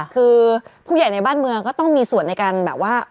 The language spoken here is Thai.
คือผู้ใหญ่ในบ้านเมืองก็ต้องมีส่วนในการแบบว่า